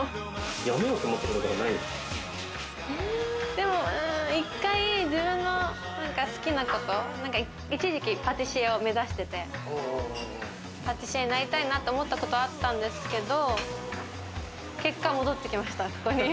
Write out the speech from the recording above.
やめようと思った事とかない一回、自分の好きなこと一時期パティシエを目指してて、パティシエになりたいなと思ったことはあったんですけど結果、戻ってきました、ここに。